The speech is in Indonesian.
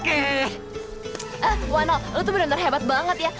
eh wano lu tuh benar benar hebat banget ya